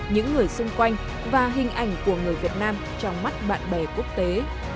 những người xung quanh và hình ảnh của người việt nam trong mắt bạn bè quốc tế